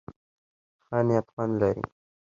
ښه نيت خوند لري.